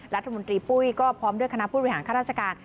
รัฐมนตรีปุ้ยก็พร้อมด้วยคณะผู้บริหารข้าราชการ